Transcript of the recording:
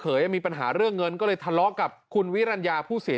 มีปัญหาเรื่องเงินก็เลยทะเลาะกับคุณวิรัญญาผู้เสีย